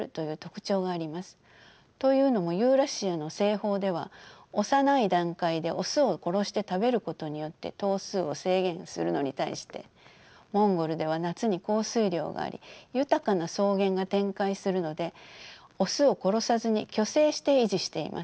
というのもユーラシアの西方では幼い段階でオスを殺して食べることによって頭数を制限するのに対してモンゴルでは夏に降水量があり豊かな草原が展開するのでオスを殺さずに去勢して維持しています。